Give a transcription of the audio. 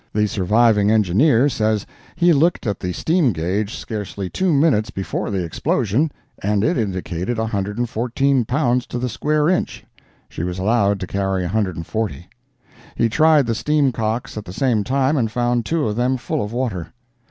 The surviving engineer says he looked at the steam gauge scarcely two minutes before the explosion, and it indicated 114 pounds to the square inch (she was allowed to carry 140;) he tried the steam cocks at the same time, and found two of them full of water.